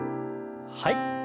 はい。